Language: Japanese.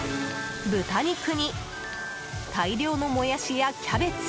豚肉に、大量のモヤシやキャベツ。